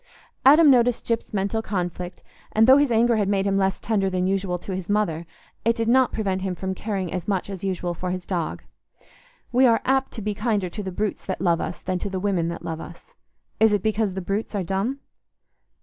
Adam noticed Gyp's mental conflict, and though his anger had made him less tender than usual to his mother, it did not prevent him from caring as much as usual for his dog. We are apt to be kinder to the brutes that love us than to the women that love us. Is it because the brutes are dumb?